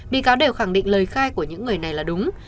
bị cáo đều khẳng định lời khai của những người này là đúng